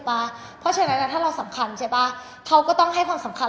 อะไรนะคะแล้วแต่เลย